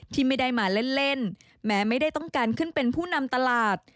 ที่ไม่ได้มาเล่นแม้ไม่ได้ต้องการขึ้นเป็นผู้นำตลาด